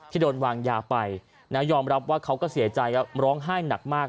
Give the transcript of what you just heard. โดนวางยาไปยอมรับว่าเขาก็เสียใจร้องไห้หนักมาก